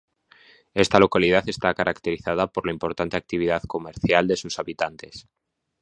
Esta localidad está caracterizada por la importante actividad comercial de sus habitantes.